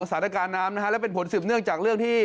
สารการน้ำและเป็นผลสึบเนื่องจากเรื่องที่